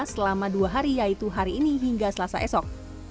selama dua hari yaitu hari ini hingga selasa esok